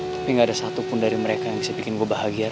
tapi gak ada satu pun dari mereka yang bisa bikin gue bahagia ray